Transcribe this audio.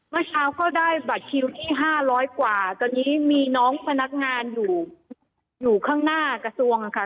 เมื่อเช้าก็ได้บัตรคิวที่๕๐๐กว่าตอนนี้มีน้องพนักงานอยู่อยู่ข้างหน้ากระทรวงค่ะ